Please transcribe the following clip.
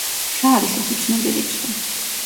რა არის ეს უცნობი რიცხვი?